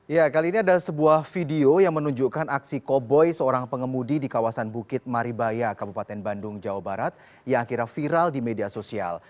ya kali ini ada sebuah video yang menunjukkan aksi koboi seorang pengemudi di kawasan bukit maribaya kabupaten bandung jawa barat yang akhirnya viral di media sosial